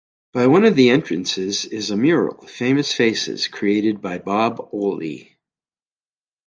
By one of the entrances is a mural, "Famous Faces", created by Bob Olley.